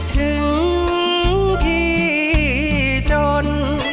ถึงที่จน